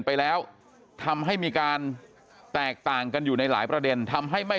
ไปแล้วทำให้มีการแตกต่างกันอยู่ในหลายประเด็นทำให้ไม่